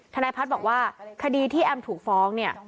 ทนายพัฒน์บอกว่าคดีที่แอมถูกฟ้องเนี่ย